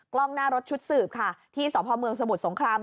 กล้องหน้ารถชุดสืบค่ะที่สพเมืองสมุทรสงคราม